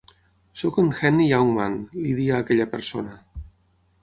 "Sóc en Henny Youngman", li deia a aquella persona.